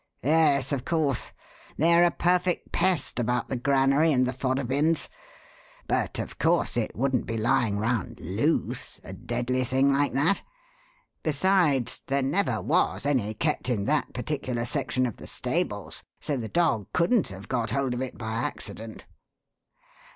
"Yes, of course. They are a perfect pest about the granary and the fodder bins. But of course it wouldn't be lying round loose a deadly thing like that. Besides, there never was any kept in that particular section of the stables, so the dog couldn't have got hold of it by accident.